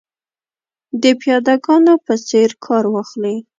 د پیاده ګانو په څېر کار واخلي.